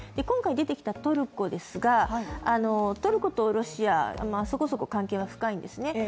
今回、出てきたトルコですがトルコとロシア、そこそこ関係は深いんですね。